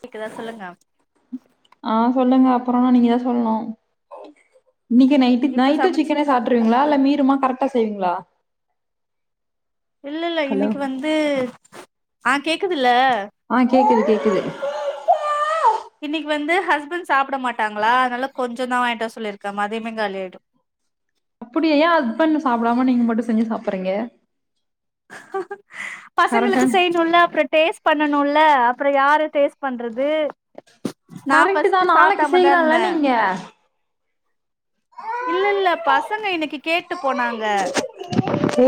கெக்குதா சொல்லுங்கம் ஆ சொல்லுங்க அப்புறோனா நீங்கதா சொல்ணு இன்னைக்கு நைட்டுக் இப்ப நைட்டு சமைச்சு சிக்கனே சாப்டுருவீங்களா இல்ல மீறுமா கரெக்ட்டா செய்வீங்களா இல்ல இல்ல ஹலோ இன்னைக்கு வந்து ஆ கேக்குதுல ஆ கேக்குது கேக்குது இன்னைக் வந்து ஹஸ்பண்ட் சாப்ட மாட்டாங்களா அதனால கொஞ்சோ தா வாங்கிட்வர சொல்லிருக்கே மதியமேங்காலி ஆயிடு அப்புடியா ஏன் ஹஸ்பண்ட் சாப்டாம நீங்க மட்டு செஞ்சு சாப்பறீங்க பசங்ளுக்கு செய்யணும்ல்ல அப்புறம் டேஸ்ட் பண்ணணும்ல அப்ற யாரு டேஸ்ட் பண்றது நா கரெக்ட் தான் ஃபஸ்ட்டு நாளைக்கு சாப்டாமதா செய்யலாம்ல இருந்த நீங்க இல்லல்ல பசங்க இன்னக்கு கேட்டு போனாங்க ஓ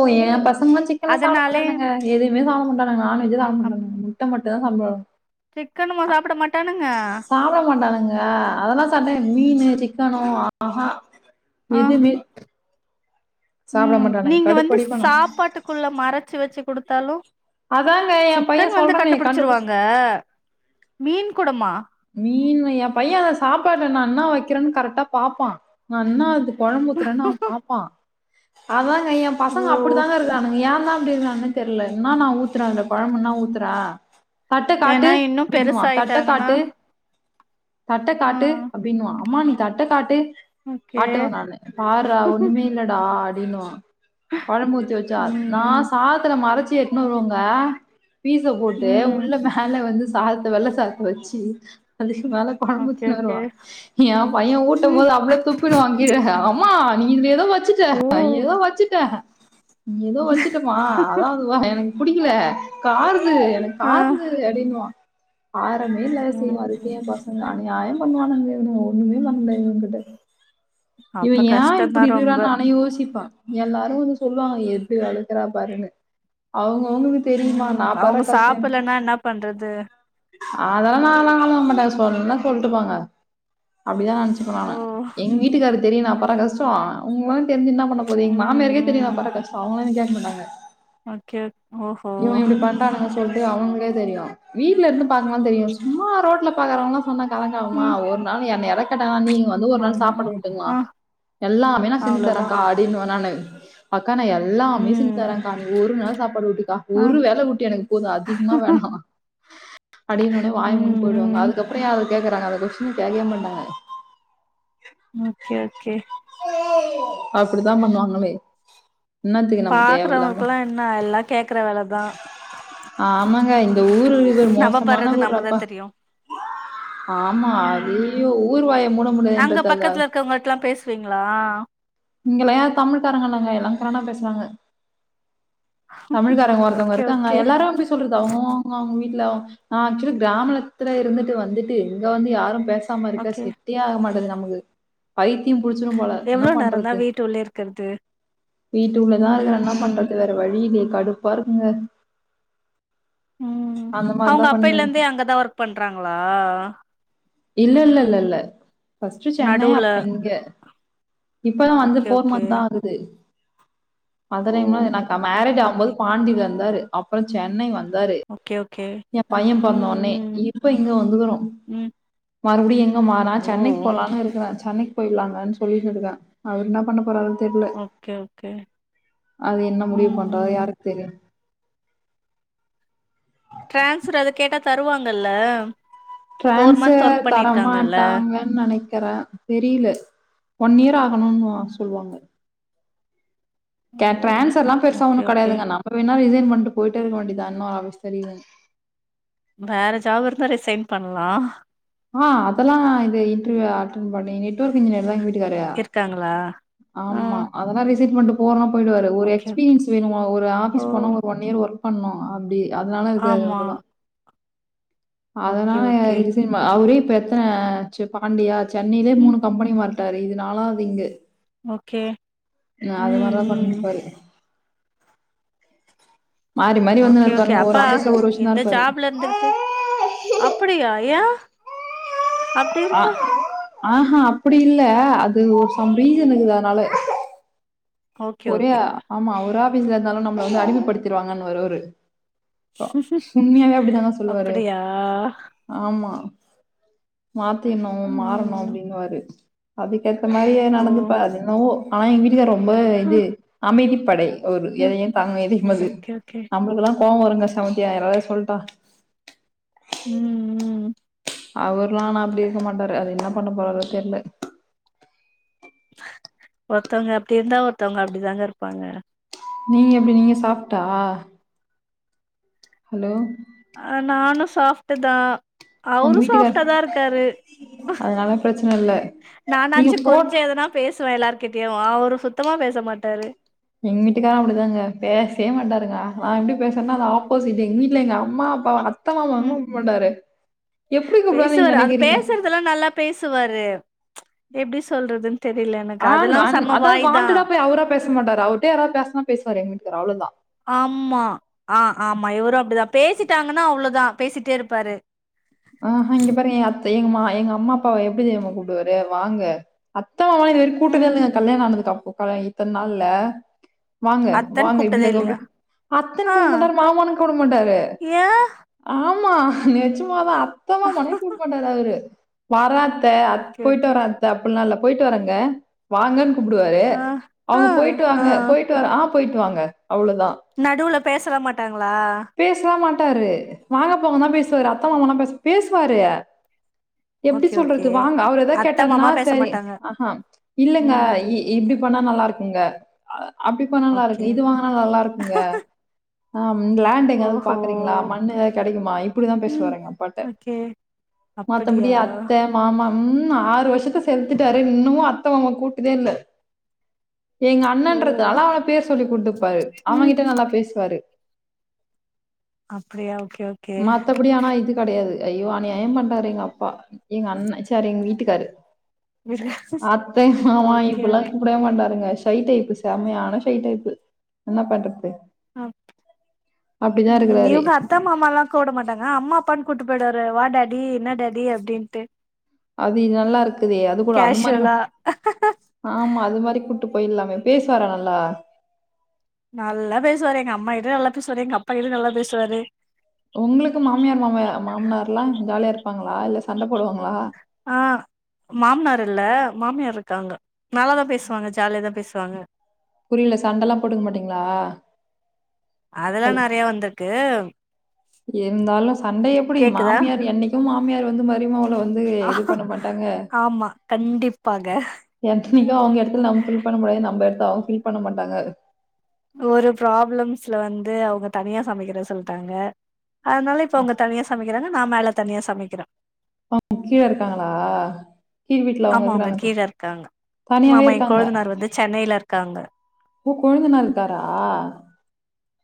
ஓ ஏ பசங்ளா சிக்கன்லா சாப்ட அதனாலே மாட்டானுங்க எதுமே சாப்ட மாட்டான்ங்க ஆன [unintelligible] முட்ட மட்டு தா சாப்டுவாணு சிக்கனுமா சாப்ட மாட்டானுங்க அ அதல்லா சாட்ட மீன் சிக்கணு ஆஹா ஆ எதுமே ம் நீங்க வந்து கடுப்படிப்பானுங்க சாப்பாட்டுக்குள்ள மறச்சு வச்சு கடுத்தாலு அதாங்க என் சிக்கன் பையன் வந்து சொல்றானே கண்டுபிடிச்சு கண்டுபிடிச்சிருவாங்க மீன் கூடமா மீன் என் பைய அத சாப்பாடு நா இண்ணா வக்கிறன்னு கரக்டா பா்ப்பா நா எண்ணா அது கொழம்புத்துரன்னு அவ பாப்பா அததாங்க எ பசங்க ஓ அப்புடித்தாங்க இருக்கானுங்க ஏ தா எப்டி இருக்கானே தெர்ல இன்னா நா ஊத்துற இந்த கொழம்புன்னா ஊத்துற தட்ட ஏன்னா காட்டு இன்னு ப்டின்னுவா தட்ட பெருசாயிட்டாங்கன்னா காட்டு தட்ட காட்டு ம் அப்டின்வ அம்மா நீ தட்ட காட்டு ஓகே ஆட்டுவ நானு பாட்றா ஒன்னுமே இல்லடா அ அடின்னுவா கொழம்பூத்தி வச்சா ம் நா ம் சாத்துல மறச்சி எத்னு வருவங்க பீஸ போட்டு ம் உள்ள மேல வந்து சாதத்த வெள்ள சாதத்த வச்சு அது வேல ஓகே கொழம்புத்தினு ஓகே வருவான் ஏன் பையன் ம் ஊட்டம்போது அப்டே துப்பினுவா கீழ அம் மா நீ இ ஏதோ வச்சுட்டே ஓ நீ ஏதோ வச்சுட்டே ஏதோ வச்சுட்டமா அதான அதுவ எனக்கு பிடிக்கல காரு எனக்கு ஆ கருது அடின்னுவா காரமே இல ம் ம் அதுக்க பசங்க அனியாய பண்ணுவானுங்க இவும் ஒன்னுமே பண்ணண்ட இவங்க்கிட்ட இவ அப்ப ஏ கஷ்டந்தா இப்புடி இருக்குறா ரொம்ப நானே யோசிப்ப எல்லாரும் வந்து சொல்லுவாங்க எப்படி வளக்குறா பாருன்னு அவ்ங்க அவுங்ளுக் தெரியுமா ம் நா பற அவங்க கஷ்ட்ட என்ன சாப்பலன்னா பண்றது அதலா நா லா நாம மாட்டாங் சொன்னா சொல்ட்டு போங்க அப்டிதா நென்ச்சுப்ப ஓ நானு எங் வீட்டுக்காரு தெரியு நா பற் ற கஷ்ட உங்களாலா தெரிஞ்ச என்ன பண்ண போது எங் ம் மாமியக்கே தெரியு நா ம் பற்ற கஷ்ட அவங்களு கேக்க மாட்டாங்க ஓகே ஓகே இவன் இப்டி பண்றானுங்க சொல்ட்டு அவுங்ளுக்கே தெரியு வீட்ல இருந்து பாக்மோது தெரியு சும்மா ரோட்ல பாக்குறவங்கல்லா சொன்னா கலங்காவுமா ம் ஒரு நாள் என்ன எறக் ட்ட நீங்க வந்து ஒரு நாள் ஆமா சாப்பாடு ஊட்டுங்ளா ஆ எல்லாமே நா செஞ்சு தர அவ்ளோதா கா அடின்னுவ நானு அக்கா நா ம் எல்லாமே செஞ்சு ம் தரக்கா நீ ஒரு நாள் சாப்பாடு ஊட்டுக்கா ஆ ஒரு வேல ஊட்டு எனக் போது அதிக்மா வேணா அடின்னஒனே வாய் முன்னு ம் போயிடுவாங்க ம் அதுக்கப்புற ஏ அத கேக்குறாங்க அத கொஸ்டீன் கேக்வே மாட்டாங்க ஓகே ஓகே அப்டிதா பண்ணுவாங்களே என்னாத்துக்கு நம்ம தேவயில்லாம பாக்குறவங்கக்கெல்லா என்ன எல்லா கேக்குற வேலதா ஆமங்க இந்த ஊரு இருக்கு பாரு நம்ம மோசமான பட்றது நம்மளுக்குதா ஊர்ராப்பா தெரியு ஆமா ம் அய்யயோ ம் ஊர் வாய மூட முடியாதுன்றத அது அதா செங்ளா இங்கலாயா தமிழ்காரங்க நாங்க எல்லா கிரனா பேசுறாங்க தமிழ்க்காரங்க ஒருத்தவங்க ஓகே இருக்காங்க ஓகே எல்லாரு அப்டி சொல்றது அவ்ங்கவ்ங்க வீட்ல நா ஆக்சுலி க்ராம்லத்துல இருந்துட்டு வந்துட்டு எங்க வந்து யாரும் பேசாம இருக்க ஓகே செட்டே ஆக மாட்டுது நமக்கு பைத்தியம் புடிச்சிரு போல என்ன எவ்ளோ நேரந்தா பண்றது வீட்டு உள்ளயே இருக்கறது வீட்டு உள்ளதா ருக்குற என்ன ம் ம் பண்றது வேற வழி இல்யே கடுப்பாருக்குங்க ம் அவங்க அப்பைலந்தே அங்கதா ஒர்க் பண்றாங்ளா இல்லல்லல்ல ஃபஸ்ட்டு சென்னை நடுவுல அப்ற இங்க இப்பதா வந்து ஓகே போர் ஓகே மந்த் தா ஆகுது மத்த ஓ டைம் லா நா மேரேஜ் ஓகே ஓகே ஆம்போது பாண்டில இருந்தாரு அப்ற சென்னை வந்து தாரு ஓகே ஓகே ஏ பைய ம் பொறந்தோனே ம் இப்ப இங்க வந்து வரு ம் மறுபடியு எங்க மாறா ஓ சென்னைக்கு போலான்னு இருக்குற சென்னைக்கு போயிடலாங்கன் சொல்லிட்டுருக்க அவர் என்ன பண்ண போறாறோ ஓகே ஓகே அது என்ன முடிவு ம் பண்றா ம் யாருக்கு தெரியு டிரான்ஸ்பர் அத கேட்டா தருவாங்கல்ல ஃபோர் மந்த் டிரான்ஸ்வர் ஒர்க் பண்ணிருக்காங்கல்ல தரமாட்டாங்கன்னு நெனைக் க்கற தெரியல ஒன் இயர் ஆகணுனு சொல்வாங்க ட ஓ டிரான்சர்லா பெருசா ஓகே ஒன்னு ஓகே கெடயாதுங்க நம்ம வேனா ரிசைன் பண் ண்ட்டு போயிட்டே ருக்க வேண்டியதா உன்னு அவசரில்ல வேற ஜாப் இருந்தா ரிசைன் பண்ணலா ஆ அதெல்லா இது இன்ட்ரிவியூ அட்டென் பண்ணி நெட்வொர்க் இன்ஜினியர்தா எங் வீட் கிருக்காங்களா ஆமா அதெல்லா ரிசீன் பண்ணிட்டு போறோம் போயிடுவாரு ஒரு ஓகே எக்ஸ்பீரியன்ஸ் வேணு ஒ ஒரு ஓ ஆஃபீஸ் போனா ஒரு ஒன் இயர் ஒர்க் பண்ணணு அப்டி அதுனால இருக்காரு ஆமா அவ்ளோதா ஓகே அதனால எ ஓகே ரிஸிமே அவரே இப்ப எத்தன ஆச்சு பாண்டியா சென்னையிலே மூணு ம் கம்பெனி மாறிட்டாரு இது நாலாவது இங்க ஓகே அது ம் மாரிதா ம் பண்ணிட்ருபாரு மாறி வந்துனு ஓகே ஓகே இருப்பாருங்க. ஒரு அப்பா ஆபீஸ்ல ஒரு வருஷம் தான் எந்த இருப்பாரு. ஜாப்ல இருந்துகிட்டு அப்படியா ஏ அ அப்டிருந்தா ஆஹா அப்படி இல்ல அது ஒரு சம் ரீசனுக்குது அதனால ஓகே ஒரே ஓகே ஆமா ஒரு ஆஃபீஸ்ல ருந்தாலு நம்மள வந்து அடிமபடித்திருவாங்கன்னுவாரு அவரு சுமியாவே அப்படித்தான சொல்லுவாரு அப்படியா ஆமா. மாத்திரணு மாறணு ம் அப்டின்னுவாரு அதுக் ஏத்த மாரியே ஓ நடந்துப்பா அதெனவோ ஆனா எங்க வீட்டுக்காரர் ரொம்ப இது ம் அமைதிப்படை ஒரு ம் எதையும் தாங்கும் இதயம் அது ஓகே ஓகே நம்மளுக்குல்லா கோவ வருமே செமத்தியா யாராது சொல்ட்டா ம் ம் அவர்ல்லா நா அப்டி இருக்க மாட்டாரு அது என்ன பண்ண போறாரோ தெர்ல ஒருத்தவங்க அப்டி இருந்தா ஒருத்தவங்க அப்டிதாங்க இருப்பாங்க. நீங்க எப்டி நீங்க சாஃப்ட்டா? ஹலோ அ நானும் சாஃப்ட்டுதா உங்க அவரு வீட்டுக்கார் சாஃப்ட்டாதா இருக்காரு அதனால பிரச்சன இல்ல நீங்க நானாச்சு ஃபோட் கொஞ்சொ எதனா பேசுவே எல்லார் கிட்டயு அவரு சுத்தமா பேச மாட்டாரு. எங்க வீட்டுக்காரு அப்படிதாங்க பேசய மாட்டாருங்க நா எப்படி பேசுறேன்னா அது ஆப்போசிட் எங்க வீட்டுல எங்க அம்மா அப்பா த்தமா ம் [unintelligible] பேசுவாரு அது பேசுறதெல்லா நல்லா பேசுவாரு எப்டி சொல்றது ஆன் ஒன் அதாவது வான்ண்டடா போய் அவரா பேச மாட்டாரு அவர்ட்ட யாராவது பேசனா பேசுவாரு எங் வீட்டுக்கார் அவ்ளோதா ஆமா ஆ ஆமா இவரு அப்படிதா பேசிட்டாங்கன்னா அவ்ளோதா பேசிட்டே இருப்பாரு ஆ ஹ இங்க பாருங்க எங்கத் எங்க மா எங்க அம்மா அப்பாவ எப்டி தெறிமா கூப்டுவாரு வாங்க அ த்த மாமானு இது வரைக்கு கூப்ட்டதே ம் இல்லங்க கல்யணம் ஆனதுக்கப்போ [unintelligible] இத்தன நாள்ல வாங்க அத்தன்னு வாங்க கூப்ட்டதே இப்படிதாங்க கூப்டு இல்லையா அத்தன்னு ஆ கூப்ட மாட்டாரு மாமானு கூப்ட மாட்டாரு ஏ ஆமா நெஜமாதா அத்த மாமானே கூப்ட மாட்டார் அவரு வரா அத் த்த ஓகே போயிட்டு ஓகே வர அத்த அப்டில்லா இல்ல போயிட்டு வரங்க வாங்கன்னு கூப்புடுவாரு ஆ ஆ அவங்க போயிட்டு ஆ வாங்க போயிட்டு வ ஆ போயிட்டு வாங்க அவ்ளோதான். நடுவுல பேசல மாட்டாங்களா? ட்டாரு வாங்கப் போங்கதா பேசுவாரு அத்த மாமால பேச பேசுவாரு. எப்டி ஓகே சொல்றது ஓகே வாங்க அவர் எதாவ் அத்த கேட்டருனா மாமா பேச சரி மாட்டாங்க ஆ இல்லைங்க ம் இப்படி ப நல்லா இருக்குங்க அ அப்டிப் நல்லா ஓகே இருக்கு இது வாங்கினா நல்லா இருக்குங்க அ லேண்ட் எங்யாவ்து ஓஹோ பாக்குறீங்ளா மண்ணு எதாது கெடைக்குமா இப்டிதா ம் பேசுவாரு எங் அப்பாட்ட ஓகே மத்த முடி அப்படியா அத்த மாமா ம் ஆறு வர்ஷத்த செத்தட்டாரு இன்னமு அத்த மாமா கூட்டதே இல்ல எங்க ஓ அண்ணன்றது ஆன அவன பேர் சொல்லி கூட்டுப்பாரு ம் அவகிட்ட நல்லா பேசுவாரு அப்டியா ஓகே ஓகே மத்தபடி ஆனா இது கடையாது ஐயோ அநியாய பண்றாரு எங்க அப்பா எங்க அண்ணா சார் எங்க வீட்டுக்காரு ஓகே அத்த மாமா ஓகே இப்பல்லா கூப்டவே மாட்டாருங்க ஷை டைப்பு செமையான ஷை டைப்பு என்னா பண்றது அப்படிதான் ம் இருக்குறாரு. இவங்க அத்த மாமா எல்லா கூட மாட்டாங்க அம்மா அப்பான் கூட்டிட்டு போயிடா வா டாடி இன்ன டாடி அப்டின்ட்டு அது நல்லா இருக்குது அது கூட அது மாரி கேஷுவலா ஆமா அது மாரி கூட்டு போயில்லாமே பேசுவார நல்லா நல்லா பேசுவாரு எங்க அம்மா கிட்டு நல்லா பேசுவாரு எங்க அப்பா கிட்ட நல்லா பேசுவாரு ஒங்களுக்கு மாமியார் மாம மாமனார்லா ஜால்யா இரு அ மாமனார் இல்ல மாமியார் இருக்காங்க நல்லாதா பேசுவாங்க ஜாலிய தா பேசுவாங்க புரியல சண்டைல்லா போட்டுக்க மாட்டீங்ளா அதல்லா நறைய வந்திருக்கு இருந்தாலு சண்ட எப்டி கேக்குதா மாமியார் என்னக்கு மாமியார் வந்து மரிமா அவ வந்து இது பண்ண மாட்டாங்க ஆமா கண்டிப்பாக எத்தனைக்கு அவ்ங்க எடத்த நம்ம ஃபில் பண்ண முடாது நம்ம எடத்து அவங்க ஃபில் பண்ண மாட்டாங்க ஒரு ப்ராப்ளம்ஸ்ல வந்து அவங்க தனியா சமக்கிற சொல்லிட்டாங்க அதனால இப்ப உங்க தனியா சமைக்கிறாங்க நா மேல தனியா சமக்கிறே அவ கீழ இருக்காங்களா கீழ் வீட்ல ஆமா அவங்க இருக்குறாங்க. கீழ இருக்காங்க தனியாவே மாமா எ இருக்காங்க. கொழுதுனார் வந்து சென்னையில இருக்காங்க ஓ கொழுந்தநார் இருக்காரா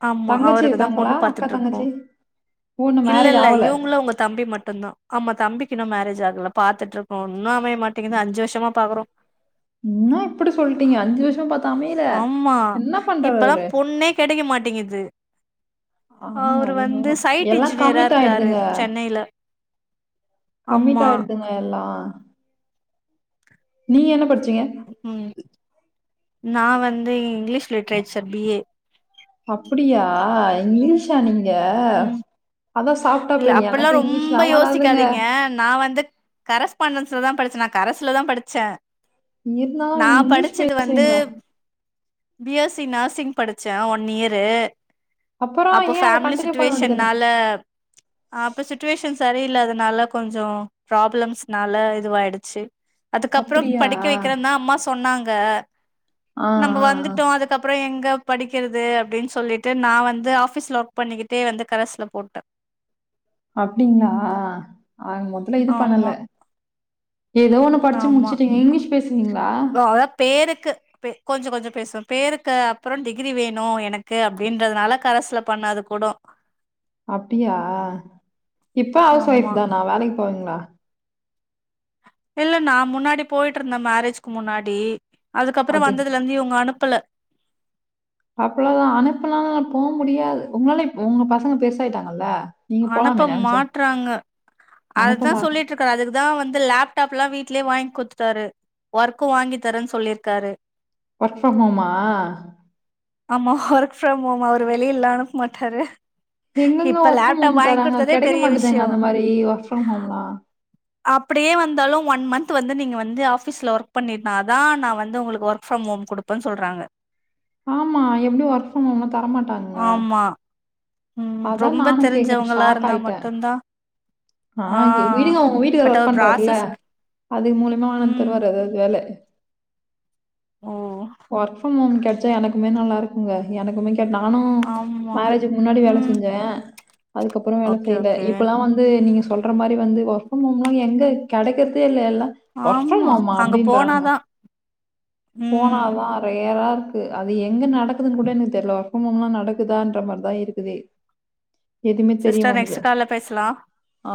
ஆமா தங்கச்சி அவருக்குதா இருக்காங்களா? பொண்ணு அக்கா, பாத்துட்ருக்கோ தங்கச்சி? ஓ இன்னும் இல்ல மேரேஜ் இல்ல ஆவல. இவங்களு அவ்ங்க தம்பி மட்டு தா ஆமா தம்பிக்கு இன்னு மேரேஜ் ஜ் ஆகுல பாத்துட்ருக்கோ இன்னு அமைய மாட்டேங்கிது அஞ்சி வர்ஷமா பாக்குறோ என்ன எப்டி சொல்லிட்டீங்க அஞ்சு வர்ஷ பாத் ஆம்மா இப்பல்லா பொண்ணே கெடக்க மாட்டேங்கிது ஆமங்க அது என்னவோ சைட் எல்லா இன்ஜினியரா கம்மிட் இருக்காரு ஆயிடுதுங்க சென்னையில. கம்மிட் ஆமா. ஆயிடுதுங்க எல்லா நீ என்ன பட்ச்சீங்க நா வந்து இங்கிலீஷ் லிட்ரேச்சர் பிஏ ஆ இங்கிலீஷா நீங்க ம். அதான் சாஃப்ட்டா இல்ல பேரு. அப்புட்ல்லா எனக்கு ரொம்ப இங்கிலீஷ்லாம் வராதுங்க. யோசிக்காதீங்க நா வந்து கரஸ்பண்ட ஸ் ல தா படிச்ச நா கரஸ்ல தா படிச்ச இருந்தாலும் நா உங்க இங்கிலீஷ் படிச்சது வந்து பேசுறீங்களா? பிஎஸ்சி நர்சிங் படிச்சே ஒன் இயரு அப்பறோ ஏ அந்த கண்டினியூ பண்ண வேஷன் வேண்டியதுதானே? நால அப்ப சுட்டிவேஷன் சரி தெரியல அதனால கொஞ்ச ப்ராப்ளம்ஸ்னால இதுயாயிடுச்சு அதுக்கப்புறம் அப்படியா? படிக்க ஆ, வைக்கிறதா அம்மா சொன்னாங்க ஆ, நம்ப வந்துட்டோ ஆ. அதுக்கப்பறோ எங்க படிக்கிறது அப்டின் சொல்லிட்டு நா வந்து ஆஃபிஸ் ஒர்க் பண்ணிக்கிட்டு டே வந்து கரஸ்சல போட்ட அப்டிங்ளா ஆக மொத்தத்ல இது பண்ணல ஆமா ஏதோ ஒன்னு படிச்சி ஆமா முடிச்சுட்டீங்க இங்கிலீஷ் பேசுவீங் அதா பேரு க்கு கொஞ்சோ கொஞ்சோ பேசுவ பேருக்கு அப்புறம் டிகிரி வேணு எனக்கு அப்டின்றதுனால கரசுல பண்ண அது கூடோ அப்டியா இப்ப ஹவுஸ் ஆமா ஒய்ஃப் தானா வேலைக்கு போவீங்களா இல்ல நா முன்னாடி போயிட்டு இருந்தே மேரேஜ்க்கு முன்னாடி அதுக்கப்புறோ அது வந்ததுல இருந்து இவுங்க அனுப் பள அவ்வோதா அனுப்பனாலு போக முடியாது உங்களாலே உங்க பசங்க பெருசாயிட்டாங்கல்ல நீங்க அனுப்ப போலாமே நெனச்சா. மாட்றாங்க அனுப்ப அத்தா மாட் சொல்லிட்டு இருக்கரு அதுக்குதா வந்து லேப்டாப் ப்லா வீட்லயே வாங்கி குத்துத்துடாரு ஒர்க்கு வாங்கி தரேன்னு சொல்லிருக்காரு ஒர்க் ஃப்ரம் ஹோமா ஆமா ஒர்க் ஃப்ரம் ஹோம் அவரு வெளிய இல்ல அனுப்ப மாட்டாரு எங்கெங்க இப்ப ஒர்க் ஃப்ரம் ஹோம் லேப்டாப் வாங்கி தராங்க குடுத்ததே கெடைக்க பெரிய மாட்டேங்குதே அந்த மாரி ஒர்க் ஃப்ரம் ஹோம்லா அப்டியே வந்தாலு ஒன் மந்த் வந்து நீங்க வந்து ஆபீஸ்ல ஒர்க் பண்ணிருந்த தா நா வந்து உங்களுக்கு ஒர்க் ஃப் மம் குடுப்பன்னு சொல்றாங்க ஆமா எப்டி ஒர்க் ஃப்ரம் ஹோம்ன்ன தரமாட்டாங்க ஆமா. ம் அதா ரொம்ப நானு கேக்குற தெரிஞ்சவங்களா ஷாக் இருந்தா ஆயிட்டே மட்டும்தான் அ ஆ விடுங்க உங்க வீட்டுக்கார் பட் ஒர்க் அவர் பண்றாருல ப்ராசஸ் அது மூலியமா ஆன தர ம். வர்து அது வேல ஓ ஒர்க் ஃப்ரம் ஹோம் கெடச்சா எனக்குமே நல்லா இருக்குங்க எனக்குமே நானு ஆமா மேரேஜுக்கு முன்னாடி வேல ம் அதுக்கப்புறோ வேல ஓகே செய்யல ஓகே இப்பெல்லா வந்து நீங்க சொல்ற மாரி வந்து ஒர்க் ஃப்ரம் ஹம்லாம் எங்க கெடைக்றதே இல்ல எல்லா ஒர்க் ஃபீரம் ஆமா ஹோமா அங்க அப்டின்றானுங்க போனாதா ம் போனாதா ரேர்ரா இரு க்கு அது எங்க நடக்குதுன்னு கூட எனக்கு தெர்ல ஒர்க் ஃப்ரம் ஹோம்லா நடக்குதான்ற மாரிதா இருக்குதே எதுமே சிஸ்டர் நெக்ஸ்ட் தெரியமாட்டேங்குது கால்ல பேசலா அ